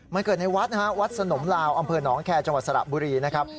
มันเกิดในวัดนะฮะวัดสนมลาวอำเภอหนองแคร์จังหวัดสระบุรีนะครับ